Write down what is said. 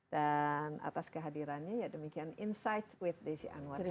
dan atas kehadirannya ya demikian insight with desi anwar kali ini